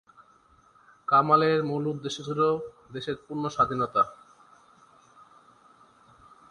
কামালের মূল উদ্দেশ্য ছিল দেশের পূর্ণ স্বাধীনতা।